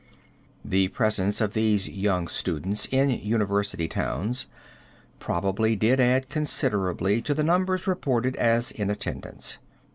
The presence of these young students in university towns probably did add considerably to the numbers reported as in attendance.